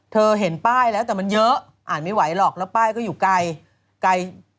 เห็นป้ายแล้วแต่มันเยอะอ่านไม่ไหวหรอกแล้วป้ายก็อยู่ไกลไกล